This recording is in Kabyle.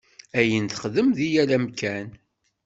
Ayen texdem deg yal amkan.